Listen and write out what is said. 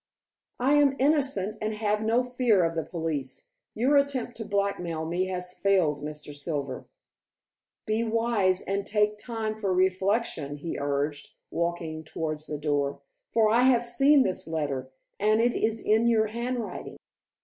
"I am innocent and have no fear of the police. Your attempt to blackmail me has failed, Mr. Silver." "Be wise and take time for reflection," he urged, walking towards the door, "for I have seen this letter, and it is in your handwriting."